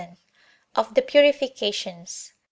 Of The Purifications.